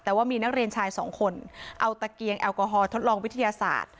แต่ว่ามีนักเรียนชายสองคนเอาตะเกียงแอลกอฮอลทดลองวิทยาศาสตร์